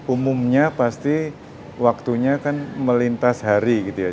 umumnya pasti waktunya kan melintas hari gitu ya